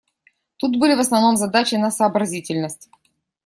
Тут были в основном задачи на сообразительность.